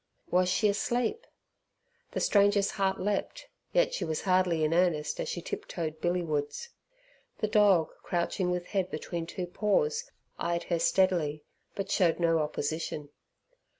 Was she asleep? The stranger's heart leapt, yet she was hardly in earnest as she tip toed billy wards. The dog, crouching with head between two paws, eyed her steadily, but showed no opposition.